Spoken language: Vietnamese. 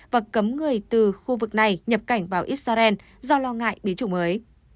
và cấm người từ khu vực này nhập cảnh vào israel do lo ngại biến chủng mới